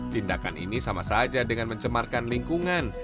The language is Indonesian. tindakan ini sama saja dengan mencemarkan lingkungan